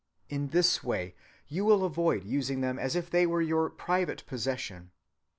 In this way you will avoid using them as if they were your private possession.